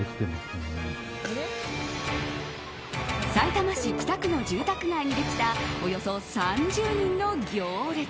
さいたま市北区の住宅街にできたおよそ３０人の行列。